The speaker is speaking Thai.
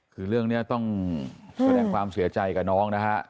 คือเรื่องนี้ต้องแสดงความเสียใจกับน้องนะฮะ